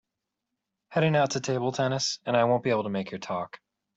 Heading out to table tennis and I won’t be able to make your talk.